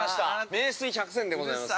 「名水百選」でございますよ。